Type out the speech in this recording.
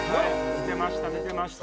見てました